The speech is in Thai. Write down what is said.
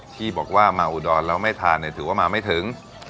ถ้าหมาอุดรแล้วไม่ทานเนี่ยถือว่าหมาไม่ถึง